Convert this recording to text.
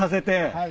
はい。